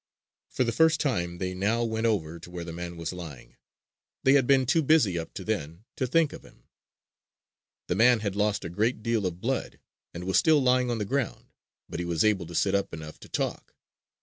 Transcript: For the first time they now went over to where the man was lying. They had been too busy up to then to think of him. The man had lost a great deal of blood, and was still lying on the ground; but he was able to sit up enough to talk.